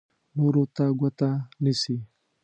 نورو ته ګوته نیسي.